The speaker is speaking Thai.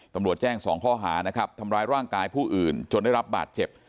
ตำรวจแจ้งสองข้อหานะครับทำร้ายร่างกายผู้อื่นจนได้รับบาดเจ็บ